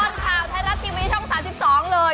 มาตรวจดูในกรณ์ข่าวไทยรัฐทีวีช่อง๓๒เลย